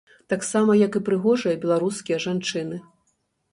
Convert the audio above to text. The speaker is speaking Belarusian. Таксама, як і прыгожыя беларускія жанчыны.